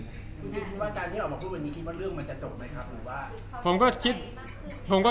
คุณคิดว่าการที่เรามาพูดวันนี้คิดว่าเรื่องมันจะจบไหมครับหรือว่า